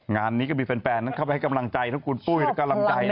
งานนี้ก็มีแฟนนั้นเข้าไปให้กำลังใจทั้งคุณปุ้ยและกำลังใจ